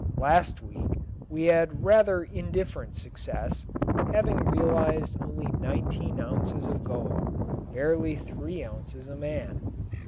Last week we had rather indifferent success, having realized only nineteen ounces of gold, barely three ounces a man.